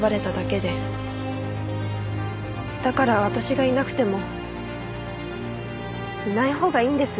だから私がいなくてもいないほうがいいんです。